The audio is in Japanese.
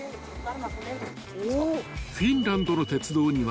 ［フィンランドの鉄道には］